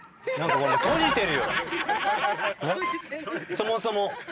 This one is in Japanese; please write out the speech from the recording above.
そもそも。